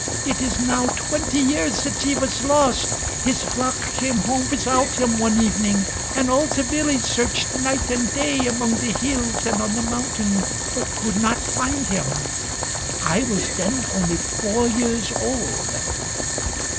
It is now twenty years since he was lost. His flock came home without him one evening, and all the village searched night and day among the hills and on the mountain, but could not find him. I was then only four years old."